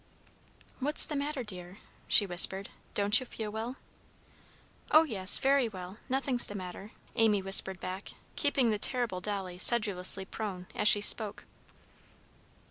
"What's the matter, dear?" she whispered. "Don't you feel well?" "Oh, yes! very well. Nothing's the matter." Amy whispered back, keeping the terrible Dolly sedulously prone, as she spoke.